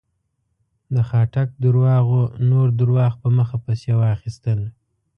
د خاټک درواغو نور درواغ په مخه پسې واخيستل.